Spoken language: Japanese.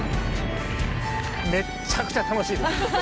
めっちゃくちゃ楽しいです。